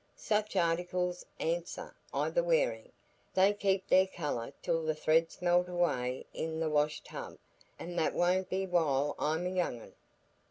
Such articles answer i' the wearin',—they keep their colour till the threads melt away i' the wash tub, an' that won't be while I'm a young un."